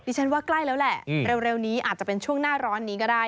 ฉันว่าใกล้แล้วแหละเร็วนี้อาจจะเป็นช่วงหน้าร้อนนี้ก็ได้